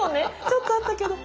ちょっとあったけど。